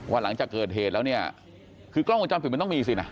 หลังจากเกิดเหตุแล้วเนี่ยคือกล้องวงจรปิดมันต้องมีสินะ